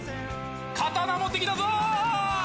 刀、持ってきたぞ。